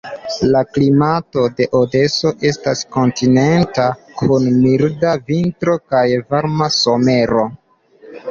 La klimato de Odeso estas kontinenta kun milda vintro kaj varma somero.